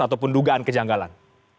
ataupun dugaan kejanggalan